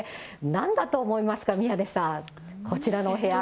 なんだと思いますか、宮根さん、こちらのお部屋。